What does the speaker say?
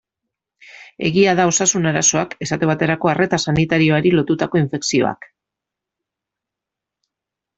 Egia da osasun arazoak, esate baterako arreta sanitarioari lotutako infekzioak.